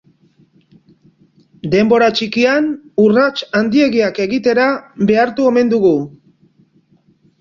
Denbora txikian urrats handiegiak egitera behartu omen dugu.